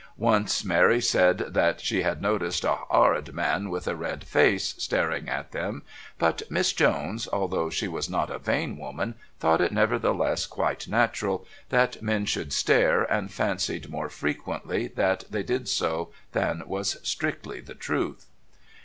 Once Mary said that she had noticed "a horrid man with a red face" staring at them; but Miss Jones, although she was not a vain woman, thought it nevertheless quite natural that men should stare, and fancied more frequently that they did so than was strictly the truth.